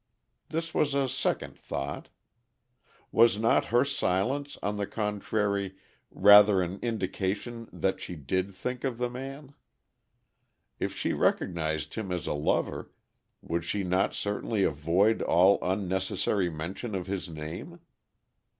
This was a second thought. Was not her silence, on the contrary, rather an indication that she did think of the man? If she recognized him as a lover, would she not certainly avoid all unnecessary mention of his name?